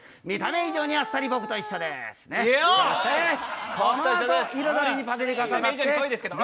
見た目以上にあっさり僕と一緒です。